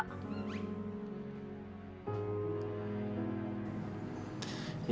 ya makasih ya